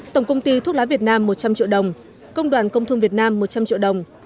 tổng công ty thuốc lá việt nam một trăm linh triệu đồng công đoàn công thương việt nam một trăm linh triệu đồng